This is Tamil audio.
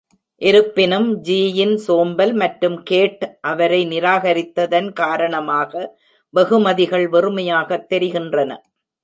இருப்பினும், ஜியின் சோம்பல் மற்றும் கேட் அவரை நிராகரித்ததன் காரணமாக வெகுமதிகள் வெறுமையாகத் தெரிகின்றன.